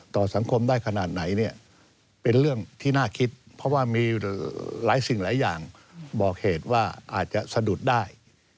ต่อสังคมได้ขนาดไหนเนี่ยเป็นเรื่องที่น่าคิดเพราะว่ามีหลายสิ่งหลายอย่างบอกเหตุว่าอาจจะสะดุดได้